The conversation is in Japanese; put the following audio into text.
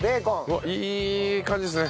うわっいい感じですね。